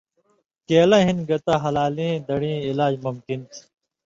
کېلہ ہِن گتہ ہلالیں دڑیں علاج ممکن تھی